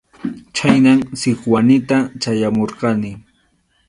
Chhaynam Sikwanita chayamurqani.